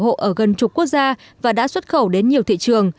huyện lục ngạn đã được bảo hộ ở gần chục quốc gia và đã xuất khẩu đến nhiều thị trường